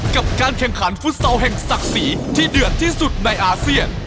กับการแข่งขันฟุตซอลแห่งศักดิ์ศรีที่เดือดที่สุดในอาเซียน